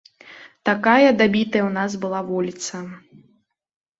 Такая дабітая ў нас была вуліца.